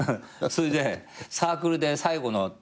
それでサークルで最後の。